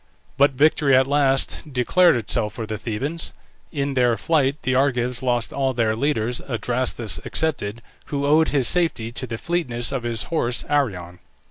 But victory at last declared itself for the Thebans. In their flight the Argives lost all their leaders, Adrastus excepted, who owed his safety to the fleetness of his horse Arion.